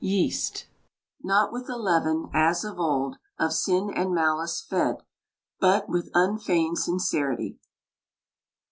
YEAST. Not with the leaven, as of old, Of sin and malice fed, But with unfeigned sincerity.